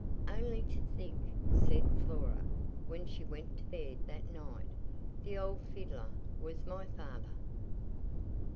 "Only to think," said Flora, when she went to bed that night, "the old fiddler was my father!"